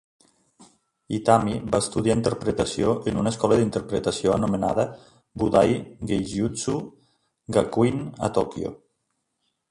Itami va estudiar interpretació en una escola d'interpretació anomenada Budai Geijutsu Gakuin, a Tòquio.